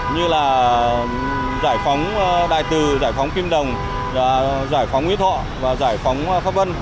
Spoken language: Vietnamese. như là giải phóng đài từ giải phóng kim đồng giải phóng nguyễn thọ và giải phóng pháp vân